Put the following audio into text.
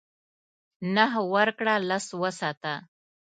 نهه ورکړه لس وساته .